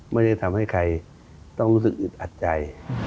ไม่ได้ทำให้ใครต้องรู้สึกอึดอัดใจ